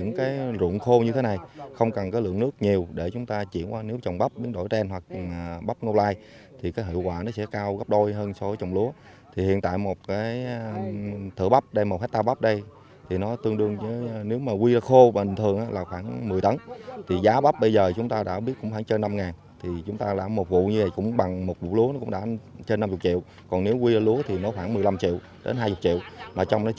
nó khoảng một mươi năm triệu đến hai mươi triệu mà trong đó chi phí chúng ta phải cao hơn